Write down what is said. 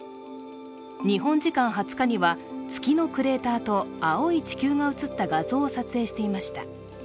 日本時間２０日には月のクレーターと青い地球が写った画像を撮影していました。